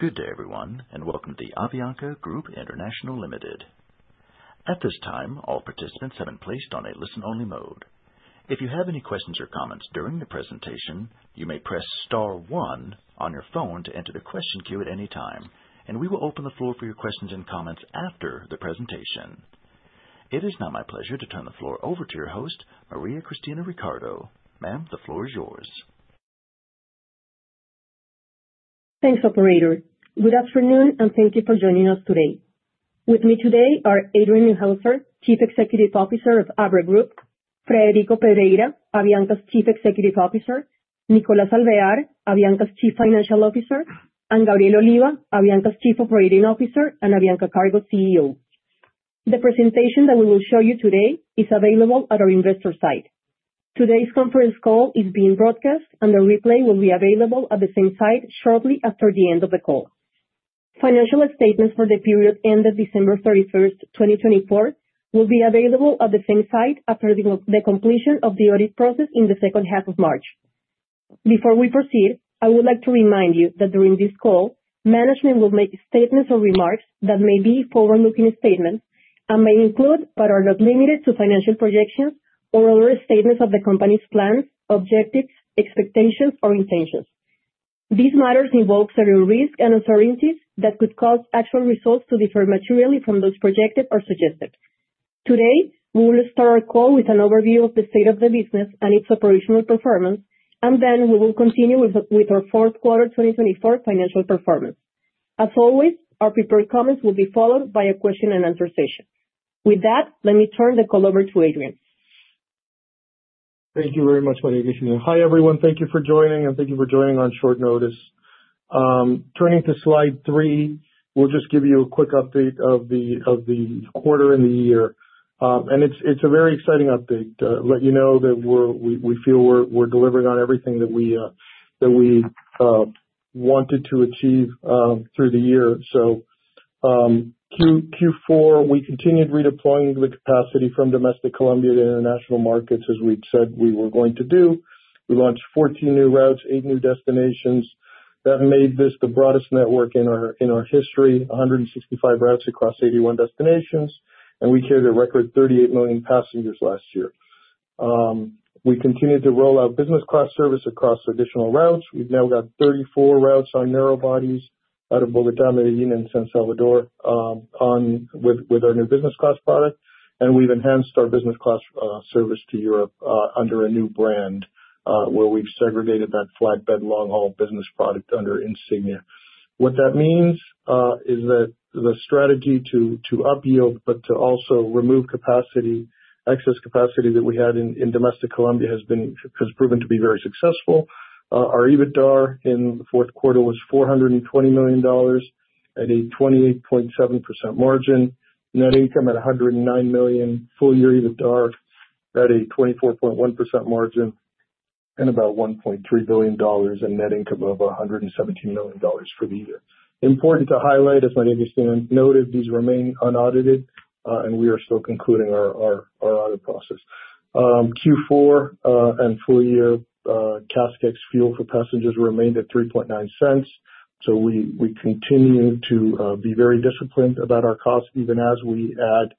Good day, everyone, and welcome to the Avianca Group International Limited. At this time, all participants have been placed on a listen-only mode. If you have any questions or comments during the presentation, you may press Star 1 on your phone to enter the question queue at any time, and we will open the floor for your questions and comments after the presentation. It is now my pleasure to turn the floor over to your host, Maria Cristina Ricardo. Ma'am, the floor is yours. Thanks, Operator. Good afternoon, and thank you for joining us today. With me today are Adrian Neuhauser, Chief Executive Officer of Abra Group, Frederico Pedreira, Avianca's Chief Executive Officer, Nicolás Alvear, Avianca's Chief Financial Officer, and Gabriel Oliva, Avianca's Chief Operating Officer and Avianca Cargo CEO. The presentation that we will show you today is available at our investor site. Today's conference call is being broadcast, and the replay will be available at the same site shortly after the end of the call. Financial statements for the period ended December 31st, 2024, will be available at the same site after the completion of the audit process in the second half of March. Before we proceed, I would like to remind you that during this call, management will make statements or remarks that may be forward-looking statements and may include but are not limited to financial projections or other statements of the company's plans, objectives, expectations, or intentions. These matters involve serious risks and uncertainties that could cause actual results to differ materially from those projected or suggested. Today, we will start our call with an overview of the state of the business and its operational performance, and then we will continue with our fourth quarter 2024 financial performance. As always, our prepared comments will be followed by a question-and-answer session. With that, let me turn the call over to Adrian. Thank you very much, Maria Cristina. Hi, everyone. Thank you for joining, and thank you for joining on short notice. Turning to slide three, we'll just give you a quick update of the quarter and the year, and it's a very exciting update. Let you know that we feel we're delivering on everything that we wanted to achieve through the year, so Q4, we continued redeploying the capacity from domestic Colombia to international markets, as we said we were going to do. We launched 14 new routes, eight new destinations. That made this the broadest network in our history, 165 routes across 81 destinations, and we carried a record 38 million passengers last year. We continued to roll out business class service across additional routes. We've now got 34 routes on narrow bodies out of Bogotá, Medellín, and San Salvador with our new business class product. We've enhanced our business class service to Europe under a new brand where we've segregated that flatbed long-haul business product under Insignia. What that means is that the strategy to upyield but to also remove excess capacity that we had in domestic Colombia has proven to be very successful. Our EBITDA in the fourth quarter was $420 million at a 28.7% margin, net income at $109 million, full-year EBITDA at a 24.1% margin, and about $1.3 billion in net income of $117 million for the year. Important to highlight, as Maria Cristina noted, these remain unaudited, and we are still concluding our audit process. Q4 and full-year CASK ex fuel for passengers remained at $0.039. We continue to be very disciplined about our costs even as we add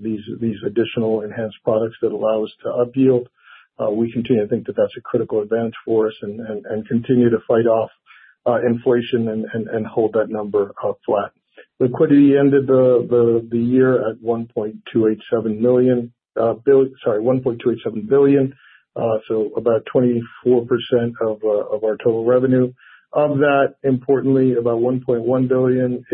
these additional enhanced products that allow us to upyield. We continue to think that that's a critical advantage for us and continue to fight off inflation and hold that number flat. Liquidity ended the year at $1.287 billion, sorry, $1.287 billion, so about 24% of our total revenue. Of that, importantly, about $1.1 billion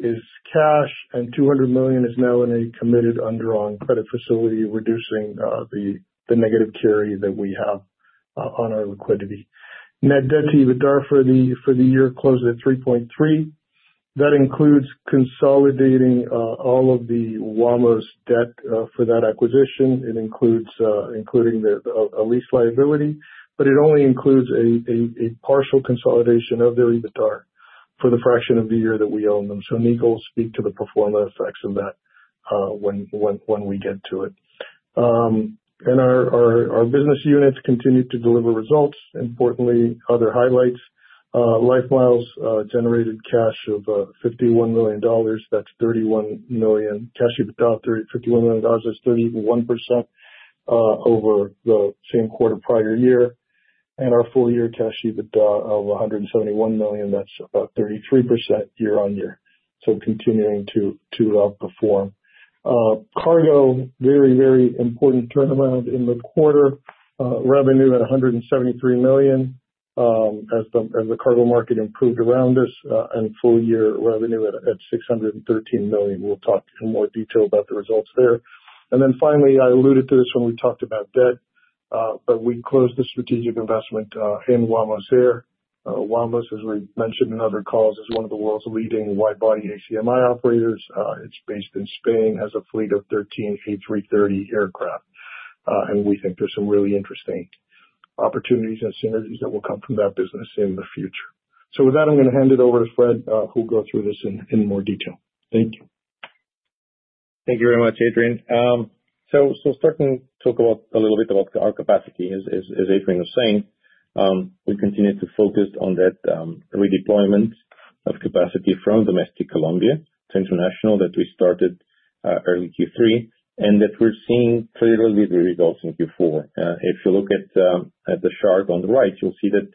is cash, and $200 million is now in a committed undrawn credit facility, reducing the negative carry that we have on our liquidity. Net debt to EBITDA for the year closed at 3.3. That includes consolidating all of the Wamos's debt for that acquisition. It includes a lease liability, but it only includes a partial consolidation of their EBITDA for the fraction of the year that we own them. So Nico will speak to the pro forma effects of that when we get to it. And our business units continue to deliver results. Importantly, other highlights, LifeMiles generated cash of $51 million. That's $31 million cash EBITDA, $51 million. That's 31% over the same quarter prior year, and our full-year cash EBITDA of $171 million, that's about 33% year on year, so continuing to outperform. Cargo, very, very important turnaround in the quarter. Revenue at $173 million as the cargo market improved around us and full-year revenue at $613 million. We'll talk in more detail about the results there, and then finally, I alluded to this when we talked about debt, but we closed the strategic investment in Wamos Air. Wamos, as we mentioned in other calls, is one of the world's leading wide-body ACMI operators. It's based in Spain, has a fleet of 13 A330 aircraft, and we think there's some really interesting opportunities and synergies that will come from that business in the future. So with that, I'm going to hand it over to Fred, who will go through this in more detail. Thank you. Thank you very much, Adrian, so starting to talk a little bit about our capacity, as Adrian was saying, we continue to focus on that redeployment of capacity from domestic Colombia to international that we started early Q3 and that we're seeing clearly the results in Q4. If you look at the chart on the right, you'll see that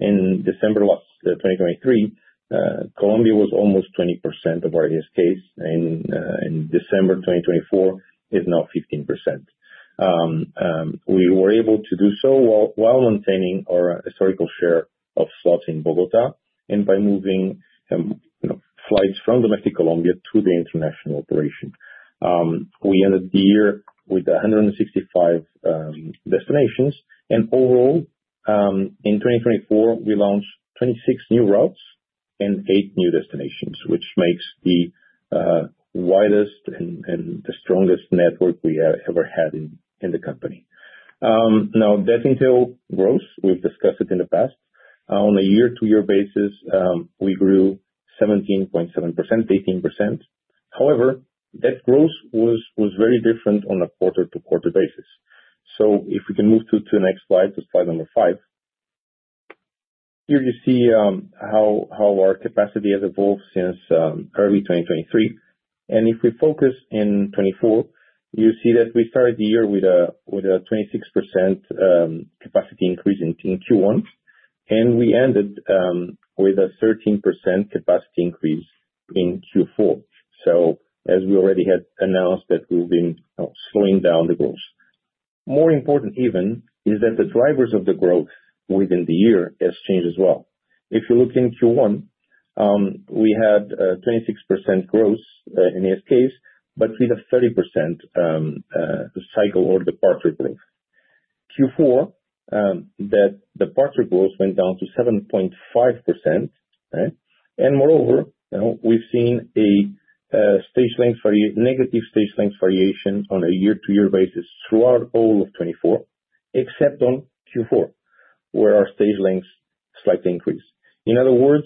in December 2023, Colombia was almost 20% of our ASKs. In December 2024, it's now 15%. We were able to do so while maintaining our historical share of slots in Bogotá and by moving flights from domestic Colombia to the international operation. We ended the year with 165 destinations, and overall, in 2024, we launched 26 new routes and eight new destinations, which makes the widest and the strongest network we have ever had in the company. Now, detail on growth, we've discussed it in the past. On a year-to-year basis, we grew 17.7%, 18%. However, that growth was very different on a quarter-to-quarter basis. So if we can move to the next slide, to slide number five, here you see how our capacity has evolved since early 2023. And if we focus in 2024, you see that we started the year with a 26% capacity increase in Q1, and we ended with a 13% capacity increase in Q4. So as we already had announced that we've been slowing down the growth. More important even is that the drivers of the growth within the year have changed as well. If you look in Q1, we had a 26% growth in ASKs, but we had a 30% cycle or departure growth. Q4, that departure growth went down to 7.5%. Moreover, we've seen a negative stage length variation on a year-to-year basis throughout all of 2024, except on Q4, where our stage lengths slightly increased. In other words,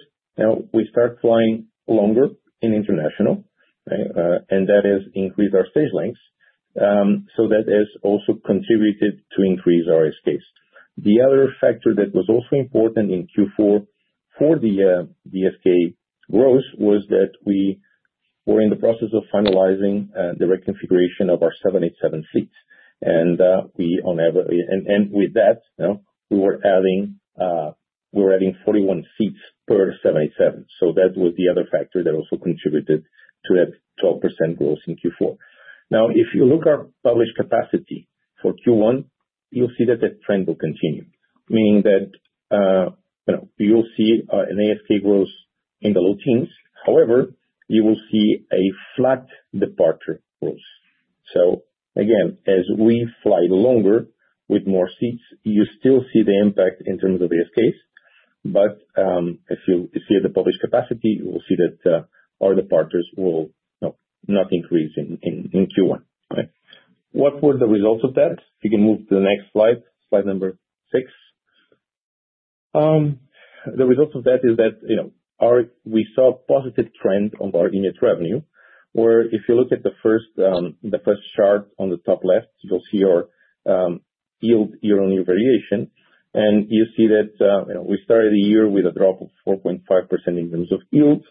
we start flying longer in international, and that has increased our stage lengths. That has also contributed to increase our ASKs. The other factor that was also important in Q4 for the ASK growth was that we were in the process of finalizing the reconfiguration of our 787 fleet. With that, we were adding 41 seats per 787. That was the other factor that also contributed to that 12% growth in Q4. Now, if you look at our published capacity for Q1, you'll see that that trend will continue, meaning that you'll see an ASK growth in the low teens. However, you will see a flat departure growth. So again, as we fly longer with more seats, you still see the impact in terms of the ASKs. But if you see the published capacity, you will see that our departures will not increase in Q1. What were the results of that? If you can move to the next slide, Slide number Six. The result of that is that we saw a positive trend of our unit revenue, where if you look at the first chart on the top left, you'll see our yield year-on-year variation. And you see that we started the year with a drop of 4.5% in terms of yield.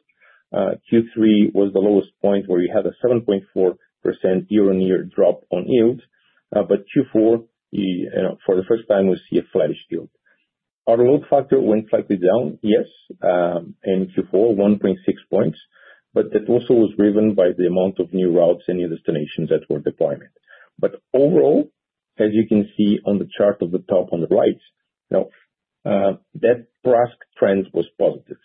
Q3 was the lowest point where we had a 7.4% year-on-year drop on yield. But Q4, for the first time, we see a flattish yield. Our growth factor went slightly down, yes, in Q4, 1.6 points. But that also was driven by the amount of new routes and new destinations that were deployed. But overall, as you can see on the chart of the top on the right, that PRASK trend was positive.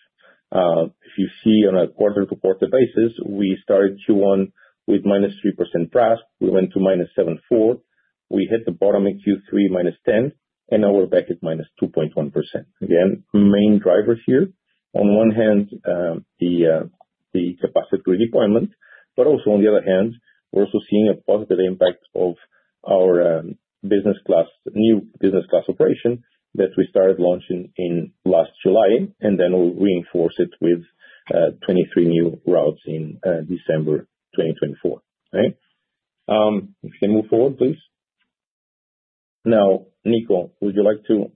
If you see on a quarter-to-quarter basis, we started Q1 with minus 3% PRASK. We went to minus 7.4%. We hit the bottom in Q3, minus 10%, and now we're back at minus 2.1%. Again, main drivers here, on one hand, the capacity redeployment, but also on the other hand, we're also seeing a positive impact of our new business class operation that we started launching in last July, and then we'll reinforce it with 23 new routes in December 2024. Okay? If you can move forward, please. Now, Nico, would you like to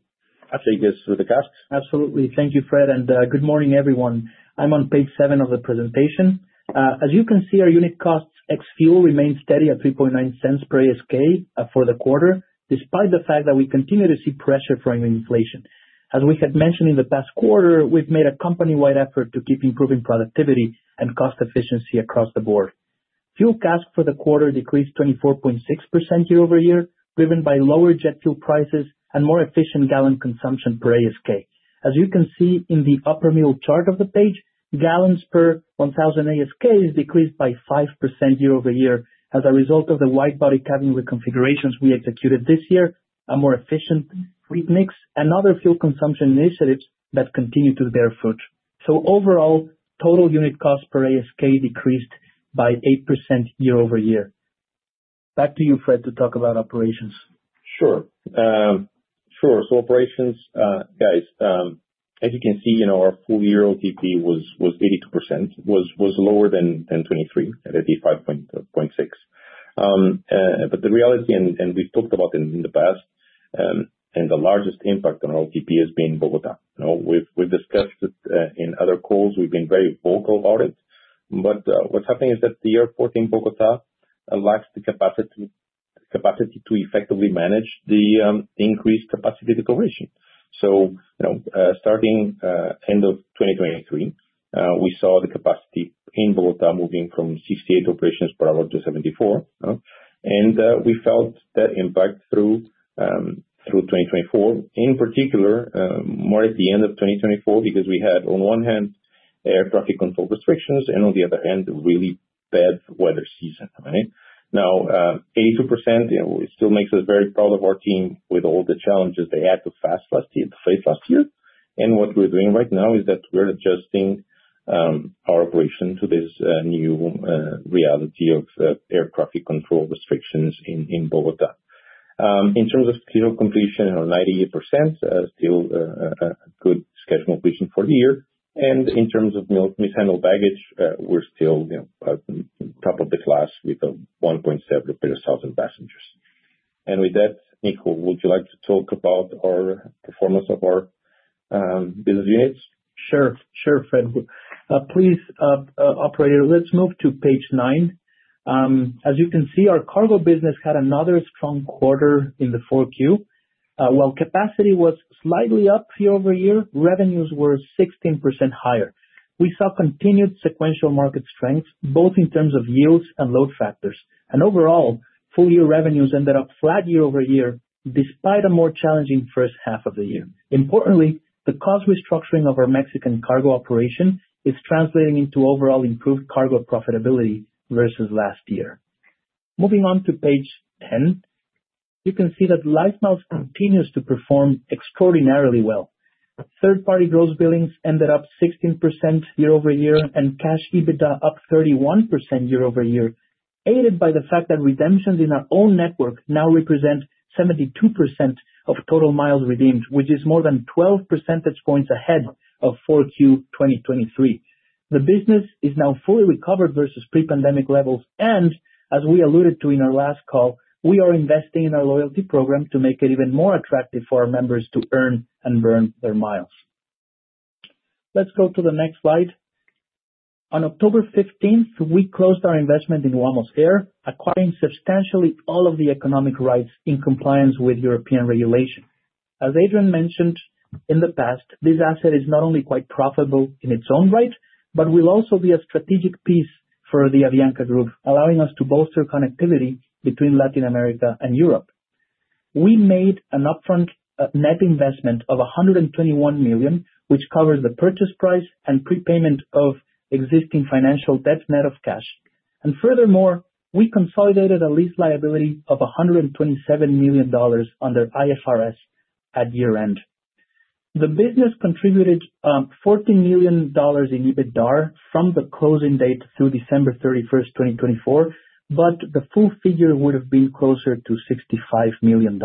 take us through the CASK? Absolutely. Thank you, Fred. And good morning, everyone. I'm on Page Seven of the presentation. As you can see, our unit costs ex fuel remained steady at $0.039 per ASK for the quarter, despite the fact that we continue to see pressure from inflation. As we had mentioned in the past quarter, we've made a company-wide effort to keep improving productivity and cost efficiency across the board. Fuel cost for the quarter decreased 24.6% year-over-year, driven by lower jet fuel prices and more efficient gallon consumption per ASK. As you can see in the upper middle chart of the page, gallons per 1,000 ASK is decreased by 5% year over year as a result of the wide-body cabin reconfigurations we executed this year, a more efficient fleet mix, and other fuel consumption initiatives that continue to bear fruit. So overall, total unit cost per ASK decreased by 8% year-over-year. Back to you, Fred, to talk about operations. Sure. Sure. Operations, guys, as you can see, our full-year OTP was 82%, was lower than 2023 at 85.6%. But the reality, and we've talked about it in the past, and the largest impact on our OTP has been Bogotá. We've discussed it in other calls. We've been very vocal about it. But what's happening is that the airport in Bogotá lacks the capacity to effectively manage the increased capacity declaration. So starting end of 2023, we saw the capacity in Bogotá moving from 68 operations per hour to 74. And we felt that impact through 2024, in particular, more at the end of 2024, because we had, on one hand, air traffic control restrictions and on the other hand, really bad weather season. Now, 82% still makes us very proud of our team with all the challenges they had to face last year. And what we're doing right now is that we're adjusting our operation to this new reality of air traffic control restrictions in Bogotá. In terms of full completion, 98%, still a good schedule completion for the year. And in terms of mishandled baggage, we're still top of the class with 1.7 per thousand passengers. And with that, Nico, would you like to talk about our performance of our business units? Sure. Sure, Fred. Please, operator, let's move to page nine. As you can see, our cargo business had another strong quarter in the fourth year. While capacity was slightly up year over year, revenues were 16% higher. We saw continued sequential market strength, both in terms of yields and load factors. And overall, full-year revenues ended up flat year over year despite a more challenging first half of the year. Importantly, the cost restructuring of our Mexican cargo operation is translating into overall improved cargo profitability versus last year. Moving on to Page 10, you can see that LifeMiles continues to perform extraordinarily well. Third-party gross billings ended up 16% year-over-year and cash EBITDA up 31% year-over-year, aided by the fact that redemptions in our own network now represent 72% of total miles redeemed, which is more than 12 percentage points ahead of 4Q 2023. The business is now fully recovered versus pre-pandemic levels. And as we alluded to in our last call, we are investing in our loyalty program to make it even more attractive for our members to earn and burn their miles. Let's go to the next slide. On October 15th, we closed our investment in Wamos Air, acquiring substantially all of the economic rights in compliance with European regulation. As Adrian mentioned in the past, this asset is not only quite profitable in its own right, but will also be a strategic piece for the Avianca Group, allowing us to bolster connectivity between Latin America and Europe. We made an upfront net investment of $121 million, which covers the purchase price and prepayment of existing financial debt net of cash. And furthermore, we consolidated a lease liability of $127 million under IFRS at year-end. The business contributed $14 million in EBITDA from the closing date through December 31st, 2024, but the full figure would have been closer to $65 million.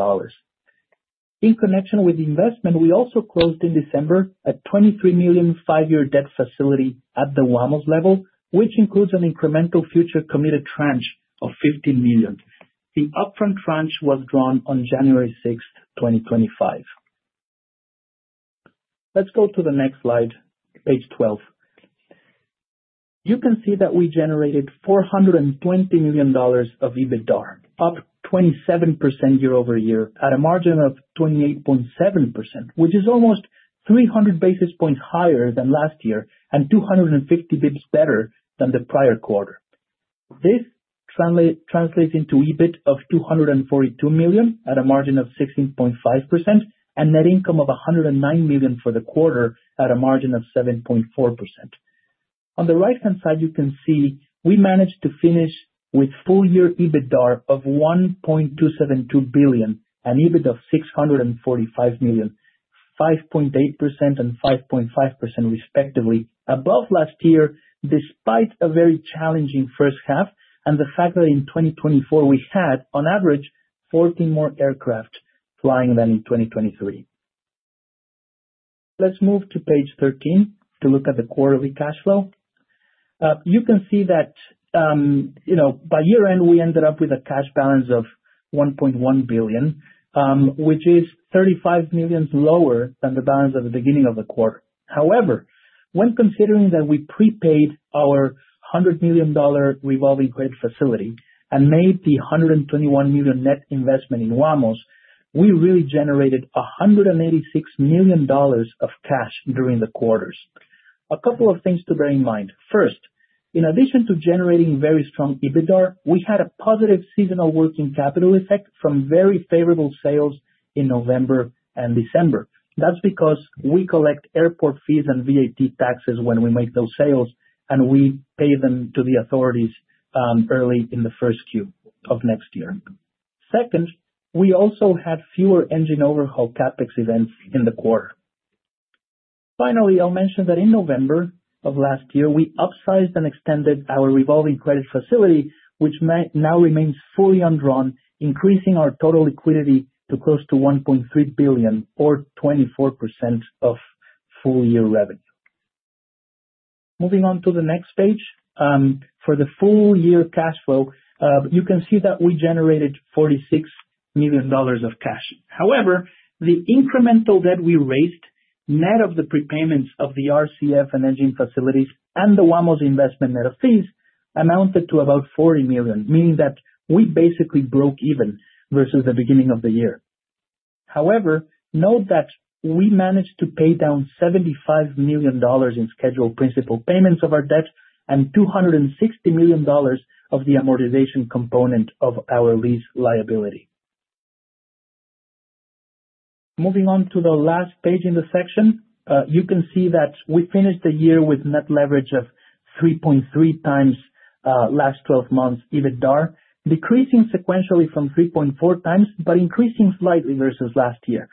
In connection with the investment, we also closed in December a $23 million five-year debt facility at the Wamos level, which includes an incremental future committed tranche of $15 million. The upfront tranche was drawn on January 6th, 2025. Let's go to the next slide, Page 12. You can see that we generated $420 million of EBITDA, up 27% year over year, at a margin of 28.7%, which is almost 300 basis points higher than last year and 250 basis points better than the prior quarter. This translates into EBIT of $242 million at a margin of 16.5% and net income of $109 million for the quarter at a margin of 7.4%. On the right-hand side, you can see we managed to finish with full-year EBITDA of $1.272 billion and EBIT of $645 million, 5.8% and 5.5% respectively, above last year, despite a very challenging first half and the fact that in 2024, we had, on average, 14 more aircraft flying than in 2023. Let's move to Page 13 to look at the quarterly cash flow. You can see that by year-end, we ended up with a cash balance of $1.1 billion, which is $35 million lower than the balance at the beginning of the quarter. However, when considering that we prepaid our $100 million revolving credit facility and made the $121 million net investment in Wamos, we really generated $186 million of cash during the quarters. A couple of things to bear in mind. First, in addition to generating very strong EBITDA, we had a positive seasonal working capital effect from very favorable sales in November and December. That's because we collect airport fees and VAT taxes when we make those sales, and we pay them to the authorities early in the first Q of next year. Second, we also had fewer engine overhaul CapEx events in the quarter. Finally, I'll mention that in November of last year, we upsized and extended our revolving credit facility, which now remains fully undrawn, increasing our total liquidity to close to $1.3 billion, or 24% of full-year revenue. Moving on to the next page. For the full-year cash flow, you can see that we generated $46 million of cash. However, the incremental debt we raised, net of the prepayments of the RCF and engine facilities and the Wamos investment net of fees, amounted to about $40 million, meaning that we basically broke even versus the beginning of the year. However, note that we managed to pay down $75 million in scheduled principal payments of our debt and $260 million of the amortization component of our lease liability. Moving on to the last page in the section, you can see that we finished the year with net leverage of 3.3 times last 12 months EBITDA, decreasing sequentially from 3.4 times, but increasing slightly versus last year.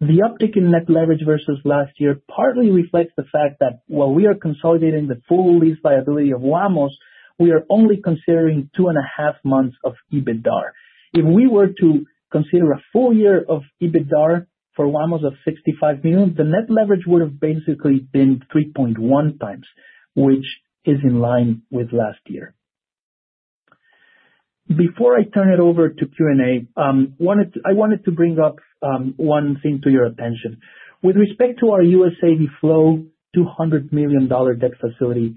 The uptick in net leverage versus last year partly reflects the fact that while we are consolidating the full lease liability of Wamos, we are only considering two and a half months of EBITDA. If we were to consider a full year of EBITDA for Wamos of $65 million, the net leverage would have basically been 3.1 times, which is in line with last year. Before I turn it over to Q&A, I wanted to bring up one thing to your attention. With respect to our USAV Flow $200 million debt facility,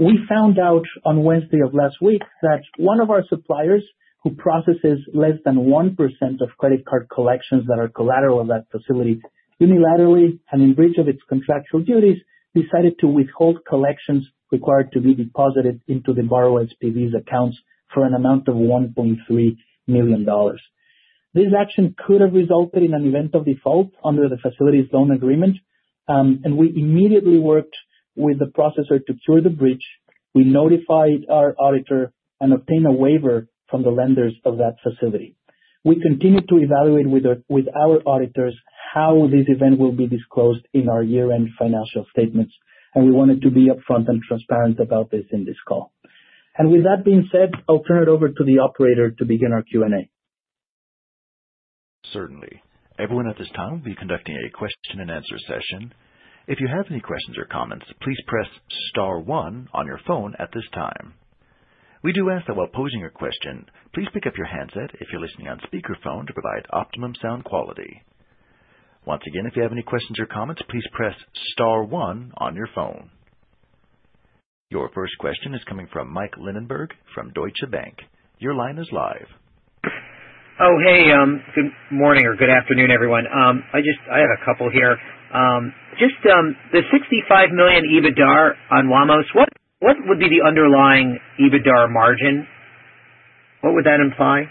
we found out on Wednesday of last week that one of our suppliers who processes less than 1% of credit card collections that are collateral of that facility unilaterally and in breach of its contractual duties decided to withhold collections required to be deposited into the borrower's POS accounts for an amount of $1.3 million. This action could have resulted in an event of default under the facility's loan agreement, and we immediately worked with the processor to cure the breach. We notified our auditor and obtained a waiver from the lenders of that facility. We continue to evaluate with our auditors how this event will be disclosed in our year-end financial statements, and we wanted to be upfront and transparent about this in this call. And with that being said, I'll turn it over to the operator to begin our Q&A. Certainly. Everyone at this time will be conducting a question-and-answer session. If you have any questions or comments, please press star one on your phone at this time. We do ask that while posing your question, please pick up your handset if you're listening on speakerphone to provide optimum sound quality. Once again, if you have any questions or comments, please press star one on your phone. Your first question is coming from Mike Linenberg from Deutsche Bank. Your line is live. Oh, hey. Good morning or good afternoon, everyone. I have a couple here. Just the $65 million EBITDA on Wamos, what would be the underlying EBITDA margin? What would that imply?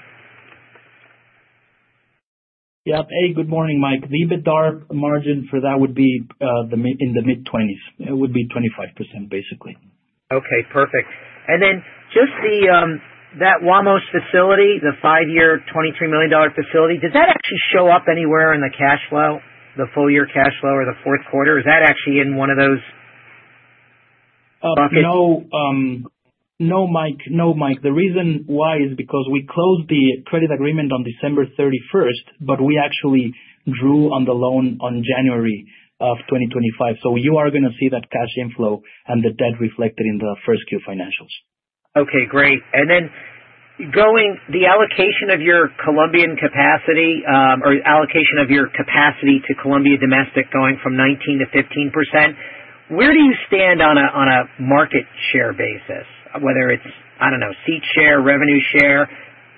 Yep. Hey, good morning, Mike. The EBITDA margin for that would be in the mid-20s. It would be 25%, basically. Okay. Perfect. And then just that Wamos facility, the five-year $23 million facility, does that actually show up anywhere in the cash flow, the full-year cash flow or the fourth quarter? Is that actually in one of those buckets? No, Mike. No, Mike. The reason why is because we closed the credit agreement on December 31st, but we actually drew on the loan on January of 2025. So you are going to see that cash inflow and the debt reflected in the first Q financials. Okay. Great. And then the allocation of your Colombian capacity or allocation of your capacity to Colombia Domestic going from 19% to 15%, where do you stand on a market share basis? Whether it's, I don't know, seat share, revenue share,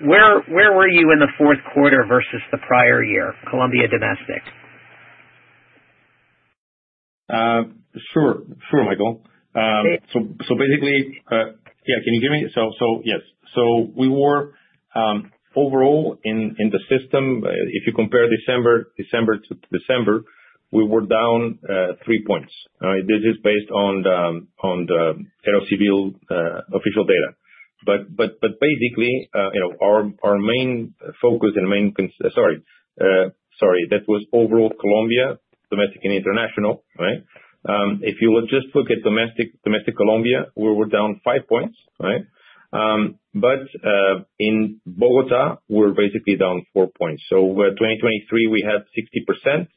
where were you in the fourth quarter versus the prior year, Colombia Domestic? Sure. Sure, Michael. So basically, yeah. So yes. We were overall in the system, if you compare December to December, we were down three points. This is based on the Aerocivil official data. But basically, our main focus and main concern, sorry, that was overall Colombia Domestic and International, right? If you just look at Domestic Colombia, we were down five points, right? But in Bogotá, we're basically down four points. So 2023, we had 60%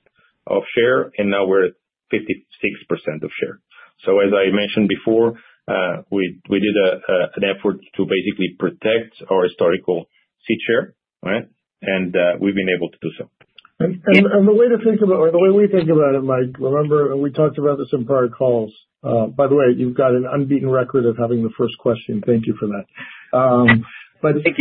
of share, and now we're at 56% of share. So as I mentioned before, we did an effort to basically protect our historical seat share, right? And we've been able to do so. The way to think about it, or the way we think about it, Mike, remember we talked about this in prior calls. By the way, you've got an unbeaten record of having the first question. Thank you for that. Thank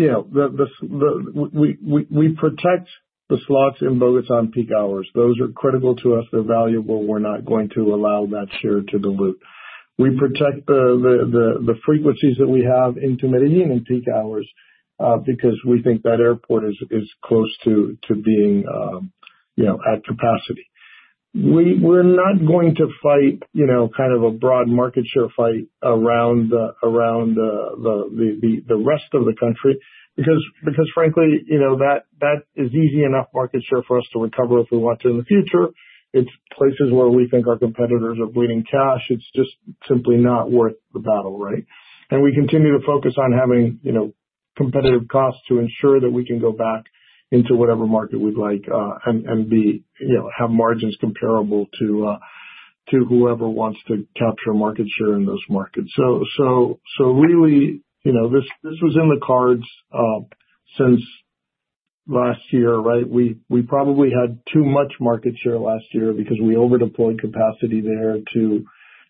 you. But the way we think about it is we protect the slots in Bogotá in peak hours. Those are critical to us. They're valuable. We're not going to allow that share to dilute. We protect the frequencies that we have in Medellín and in peak hours because we think that airport is close to being at capacity. We're not going to fight kind of a broad market share fight around the rest of the country because, frankly, that is easy enough market share for us to recover if we want to in the future. It's places where we think our competitors are bleeding cash. It's just simply not worth the battle, right, and we continue to focus on having competitive costs to ensure that we can go back into whatever market we'd like and have margins comparable to whoever wants to capture market share in those markets. So really, this was in the cards since last year, right? We probably had too much market share last year because we overdeployed capacity there to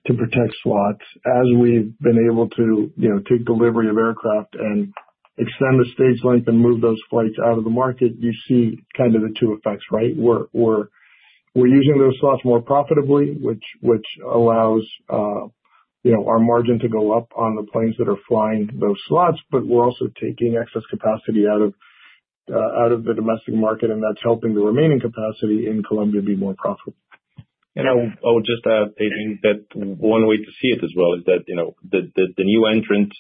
protect slots. As we've been able to take delivery of aircraft and extend the stage length and move those flights out of the market, you see kind of the two effects, right? We're using those slots more profitably, which allows our margin to go up on the planes that are flying those slots, but we're also taking excess capacity out of the domestic market, and that's helping the remaining capacity in Colombia be more profitable. I'll just add, Adrian, that one way to see it as well is that the new entrant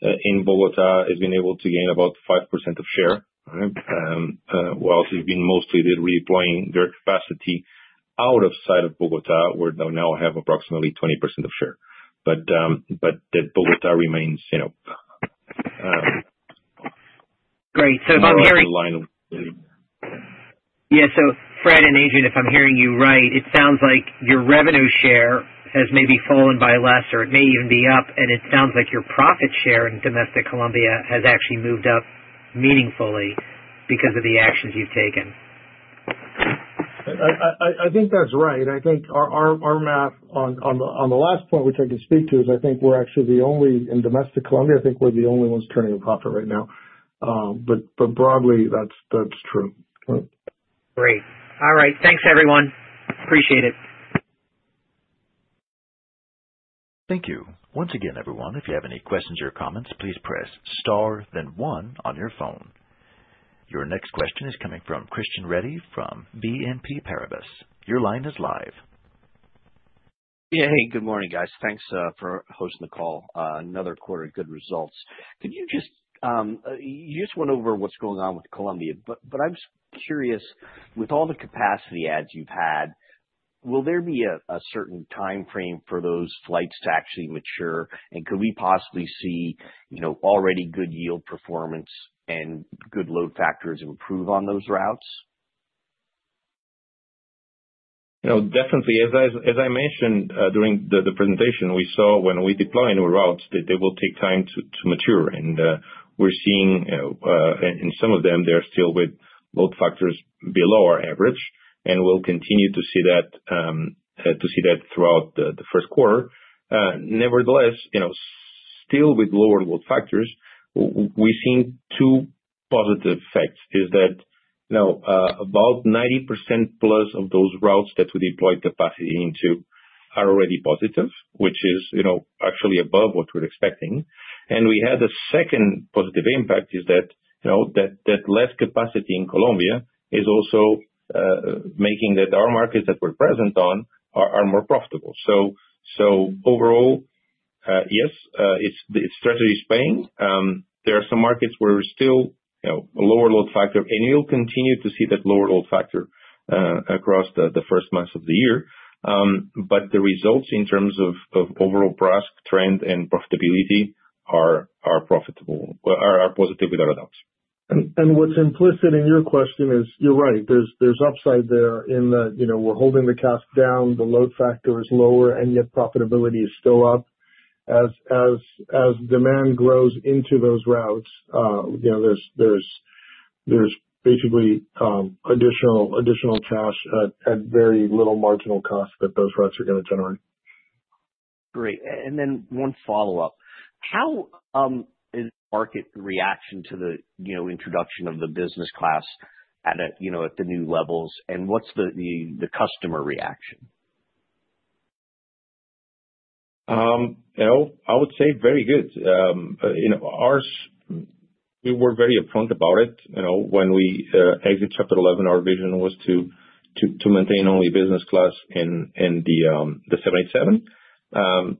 in Bogotá has been able to gain about 5% of share, right? While they've been mostly deploying their capacity out of sight of Bogotá, where they now have approximately 20% of share. That Bogotá remains. Great. So if I'm hearing. Aligned. Yeah. So Fred and Adrian, if I'm hearing you right, it sounds like your revenue share has maybe fallen by less, or it may even be up, and it sounds like your profit share in domestic Colombia has actually moved up meaningfully because of the actions you've taken. I think that's right. I think our math on the last point, which I can speak to, is I think we're actually the only in domestic Colombia, I think we're the only ones turning a profit right now. But broadly, that's true. Great. All right. Thanks, everyone. Appreciate it. Thank you. Once again, everyone, if you have any questions or comments, please press star, then one on your phone. Your next question is coming from Christian Reddy from BNP Paribas. Your line is live. Yeah. Hey, good morning, guys. Thanks for hosting the call. Another quarter of good results. Could you just, you just went over what's going on with Colombia, but I'm just curious, with all the capacity adds you've had, will there be a certain timeframe for those flights to actually mature? And could we possibly see already good yield performance and good load factors improve on those routes? Definitely. As I mentioned during the presentation, we saw when we deployed new routes that they will take time to mature, and we're seeing in some of them they're still with load factors below our average, and we'll continue to see that throughout the first quarter. Nevertheless, still with lower load factors, we've seen two positive effects. It's that about 90% plus of those routes that we deployed capacity into are already positive, which is actually above what we're expecting, and we had a second positive impact is that that less capacity in Colombia is also making that our markets that we're present on are more profitable, so overall, yes, the strategy is paying. There are some markets where we're still a lower load factor, and we'll continue to see that lower load factor across the first months of the year. But the results in terms of overall PRASK trend and profitability are profitable, are positive without a doubt. What's implicit in your question is you're right. There's upside there in that we're holding the CASK down, the load factor is lower, and yet profitability is still up. As demand grows into those routes, there's basically additional cash at very little marginal cost that those routes are going to generate. Great. And then one follow-up. How is the market reaction to the introduction of the business class at the new levels, and what's the customer reaction? I would say very good. We were very upfront about it. When we exit Chapter 11, our vision was to maintain only business class in the 787.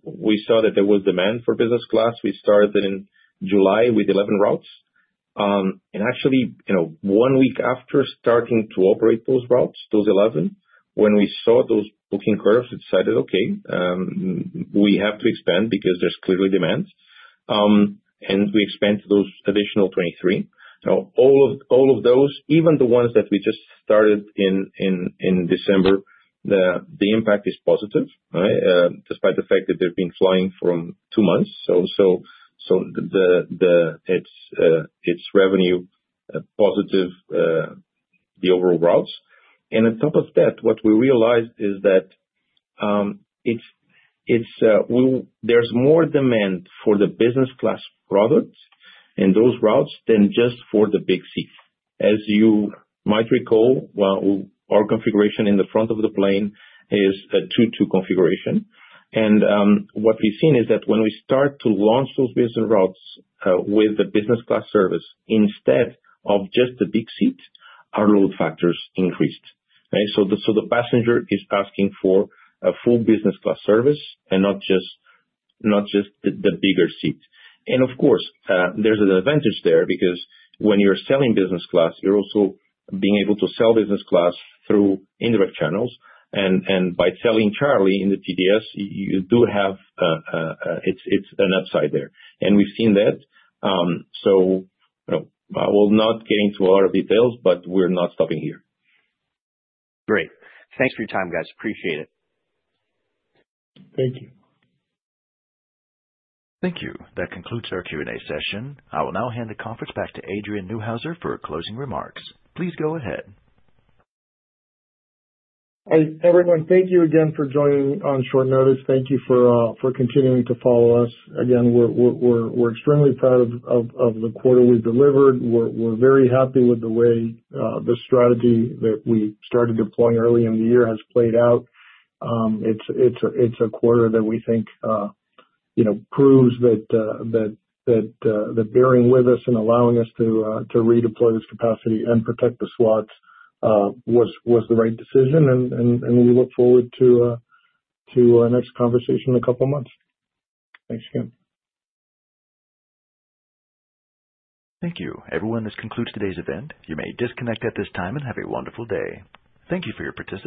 We saw that there was demand for business class. We started in July with 11 routes, and actually, one week after starting to operate those routes, those 11, when we saw those booking curves, we decided, "Okay, we have to expand because there's clearly demand." We expanded those additional 23. Now, all of those, even the ones that we just started in December, the impact is positive, right? Despite the fact that they've been flying for two months. So it's revenue positive, the overall routes. On top of that, what we realized is that there's more demand for the business class product in those routes than just for the big seats. As you might recall, our configuration in the front of the plane is a two-two configuration. And what we've seen is that when we start to launch those business routes with the business class service, instead of just the big seats, our load factors increased, right? So the passenger is asking for a full business class service and not just the bigger seat. And of course, there's an advantage there because when you're selling business class, you're also being able to sell business class through indirect channels. And by selling seats in the GDS, you do have an upside there. And we've seen that. So I will not get into a lot of details, but we're not stopping here. Great. Thanks for your time, guys. Appreciate it. Thank you. Thank you. That concludes our Q&A session. I will now hand the conference back to Adrian Neuhauser for closing remarks. Please go ahead. Hey, everyone. Thank you again for joining on short notice. Thank you for continuing to follow us. Again, we're extremely proud of the quarter we've delivered. We're very happy with the way the strategy that we started deploying early in the year has played out. It's a quarter that we think proves that bearing with us and allowing us to redeploy this capacity and protect the slots was the right decision. And we look forward to our next conversation in a couple of months. Thanks again. Thank you. Everyone, this concludes today's event. You may disconnect at this time and have a wonderful day. Thank you for your participation.